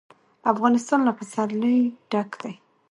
افغانستان له پسرلی ډک دی.